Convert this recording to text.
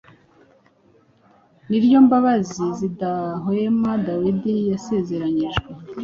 ni ryo mbabazi zidahwema Dawidi yasezeranijwe.